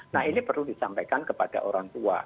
nah ini perlu disampaikan kepada orang tua